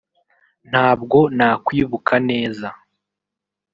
Ntabwo nakwibuka neza